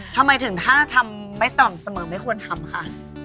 ทำไมถึงถ้าทำไม่สม่ำเสมอไม่ควรทำค่ะ